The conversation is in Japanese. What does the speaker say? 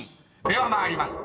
では参ります。